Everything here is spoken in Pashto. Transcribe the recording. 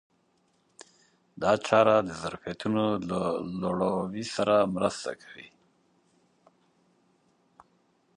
دا چاره د ظرفیتونو له لوړاوي سره مرسته کوي.